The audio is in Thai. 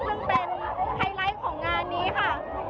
ซึ่งเป็นไฮไลท์ของงานนี้ค่ะ